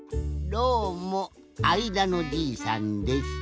どうもあいだのじいさんです。